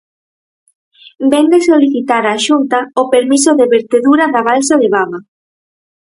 Vén de solicitar á Xunta o permiso de vertedura da balsa de Bama.